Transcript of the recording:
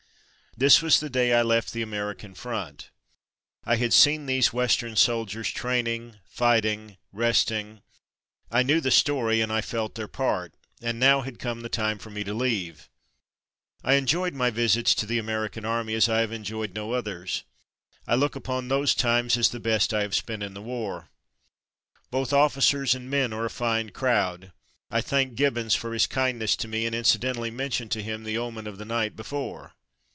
This was the day I left the American front. I had seen these Western soldiers, training, fighting, resting — I knew the story and I felt their part, and now had come the time for me to leave. I enjoyed my visits to the American Army as I have enjoyed no others. I look upon those times as the best I have spent in the war. Both officers and 286 En Route to England 287 men are a fine crowd. I thanked Gibbons for his kindness to me, and incidentally men tioned to him the omen of the night be fore.